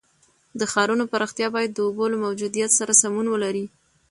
د ښارونو پراختیا باید د اوبو له موجودیت سره سمون ولري.